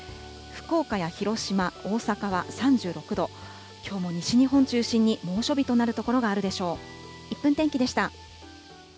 福岡や広島、大阪は３６度、きょうも西日本を中心に猛暑日となる所があるでしょう。